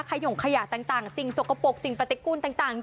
ขยงขยะต่างสิ่งสกปรกสิ่งปฏิกูลต่าง